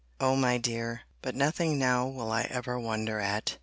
—O my dear—but nothing now will I ever wonder at!